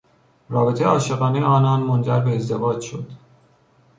رابطهی عاشقانهی آنان منجر به ازدواج شد.